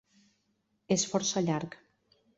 És força llarg.